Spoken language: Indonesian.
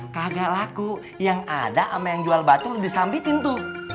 kagak laku yang ada sama yang jual batu disambitin tuh